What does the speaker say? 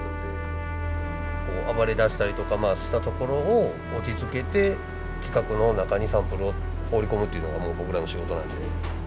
暴れだしたりとかしたところを落ち着けて規格の中にサンプルを放り込むというのがもう僕らの仕事なので。